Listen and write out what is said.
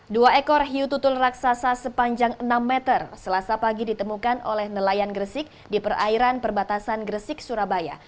dua ekor hiu tutul raksasa sepanjang enam meter selasa pagi ditemukan oleh nelayan gresik di perairan perbatasan gresik surabaya